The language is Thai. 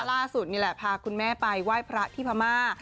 ล่าสุดนี่แหละพาคุณแม่ไปไหว้พระที่พม่า